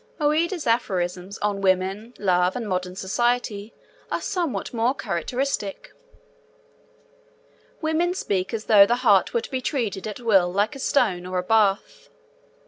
Ouida's aphorisms on women, love, and modern society are somewhat more characteristic: Women speak as though the heart were to be treated at will like a stone, or a bath.